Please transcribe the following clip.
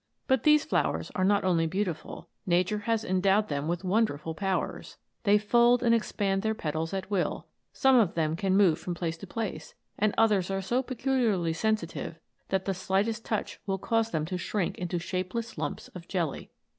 But these flowers are not only beautiful. Nature has endowed them with wonderful powers. They fold and expand their petals at will; some of them can move from place to place; and others are so peculiarly sensitive, that the slightest touch will cause them to shrink into shapeless lumps of jelly.